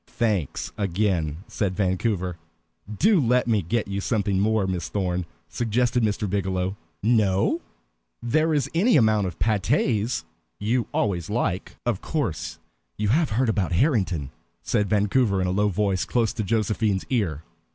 "Thanks, again," said Vancouver. "Do let me get you something more, Miss Thorn," suggested Mr. Biggielow. "No? There is any amount of pâtés. You always like" "Of course you have heard about Harrington?" said Vancouver in a low voice close to Josephine's ear.